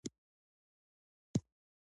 د سالمې غذا نشتوالی ټولنه کمزوري کوي.